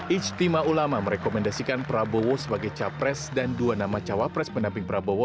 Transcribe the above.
ijtima ulama merekomendasikan prabowo sebagai capres dan dua nama cawapres pendamping prabowo